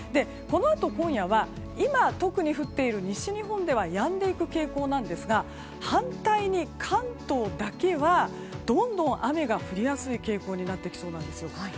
このあと今夜は今、特に降っている西日本ではやんでいく傾向なんですが反対に、関東だけはどんどん雨が降りやすい傾向になってきそうなんです。